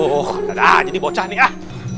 ah jadi bocah nih ah